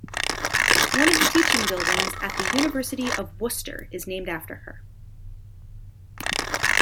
One of the teaching buildings at the University of Worcester is named after her.